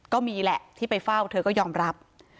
ก็มีแหละที่ไปเฝ้าเธอก็ยอมรับ